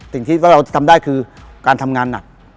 สิ่งที่เราทำได้คือการทำงานหนัก